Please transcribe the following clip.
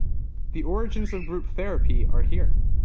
The origins of group therapy are here.